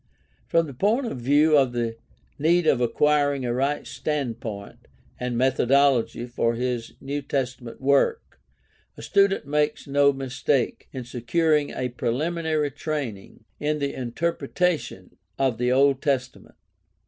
From the point of view of the need of acquiring a right standpoint and methodology for his New Testament work a student makes no mistake in securing a preliminary training in the interpretation of the Old Testament.